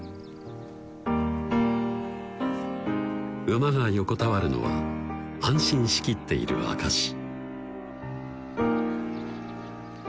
馬が横たわるのは安心しきっている証し